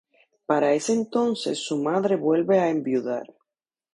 Para ese entonces su madre vuelve a enviudar.